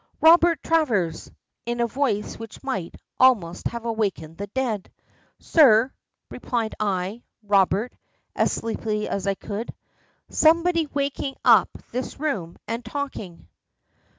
"Robert Travers!" in a voice which might, almost, have awakened the dead. "Sir," replied I Robert as sleepily as I could. "Somebody walking about this room, and talking."